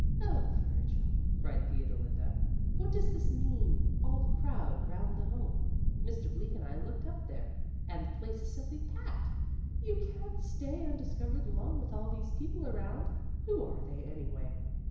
"Oh Virgil!" cried Theodolinda, "what does this mean all the crowd round the Home? Mr. Bleak and I looked up there, and the place is simply packed. You can't stay undiscovered long with all those people around. Who are they, anyway?"